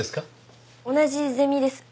同じゼミです。